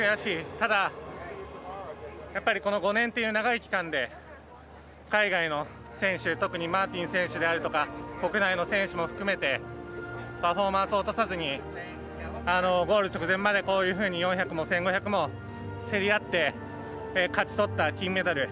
ただ、やっぱりこの５年という長い期間で海外の選手特にマーティン選手であるとか国内の選手も含めてパフォーマンスを落とさずにゴール直前まで、こういうふうに４００も１５００も競り合って、勝ち取った金メダル。